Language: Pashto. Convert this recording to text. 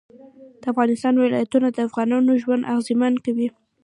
د افغانستان ولايتونه د افغانانو ژوند اغېزمن کوي.